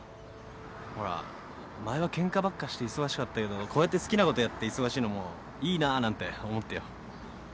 ほら前はケンカばっかして忙しかったけどこうやって好きなことやって忙しいのもいいななんて思ってよ。